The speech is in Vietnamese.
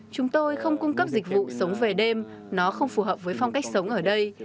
chúng tôi không cung cấp dịch vụ sống về đêm nó không phù hợp với phong cách sống ở đây